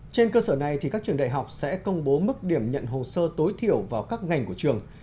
trên cơ sở này các trường đại học sẽ công bố mức điểm nhận hồ sơ tối thiểu vào các ngành của trường